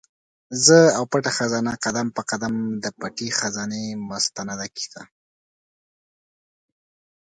زه او پټه خزانه؛ قدم په قدم د پټي خزانې مستنده کیسه